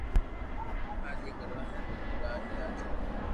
اج ھي ڪروا ھي بلڪل آج ھي آج